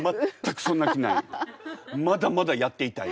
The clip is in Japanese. まだまだやっていたい。